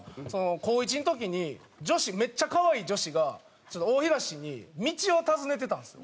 高１の時に女子めっちゃ可愛い女子が大東に道を尋ねてたんですよ。